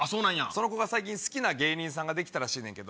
その子が最近好きな芸人さんができたらしいねんけど。